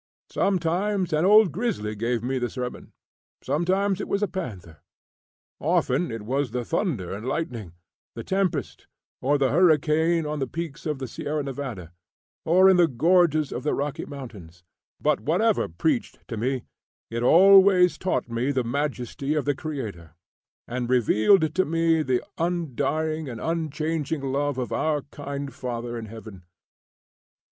Sometimes an old grizzly gave me the sermon, sometimes it was a panther; often it was the thunder and lightning, the tempest, or the hurricane on the peaks of the Sierra Nevada, or in the gorges of the Rocky Mountains; but whatever preached to me, it always taught me the majesty of the Creator, and revealed to me the undying and unchanging love of our kind Father in heaven.